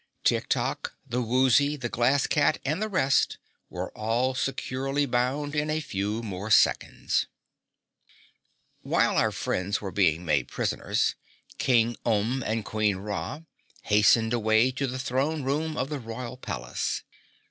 Tik Tok, the Woozy, the Glass Cat and the rest were all securely bound in a few more seconds. While our friends were being made prisoners, King Umb and Queen Ra hastened away to the Throne Room of the Royal Palace.